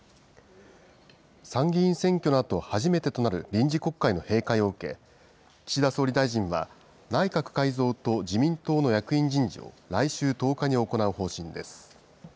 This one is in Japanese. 参議院選挙のあと、初めてとなる臨時国会の閉会を受け、岸田総理大臣は、内閣改造と自民党の役員人事を来週１０日に行う方針です。